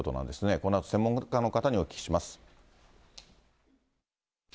このあと専門家の方にお聞きします。